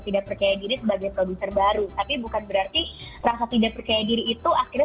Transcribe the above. tidak percaya diri sebagai produser baru tapi bukan berarti rasa tidak percaya diri itu akhirnya